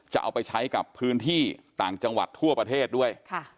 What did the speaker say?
จะเอาไปใช้กับพื้นที่ต่างจังหวัดทั่วประเทศด้วย